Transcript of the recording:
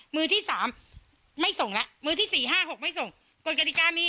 มือที่สามไม่ส่งแล้วมือที่สี่ห้าหกไม่ส่งกฎกฎิกามี